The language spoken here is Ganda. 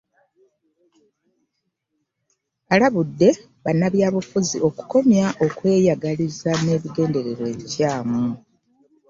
Alabudde bannabyabufuzi okukomya okweyagaliza n'ebigendererwa ebikyamu